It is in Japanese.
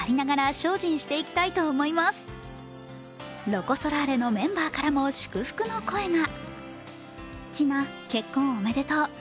ロコ・ソラーレのメンバーからも祝福の声が。